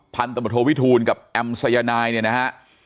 พันธบทโทวิทูลกับแอมสัยนายเนี่ยนะฮะ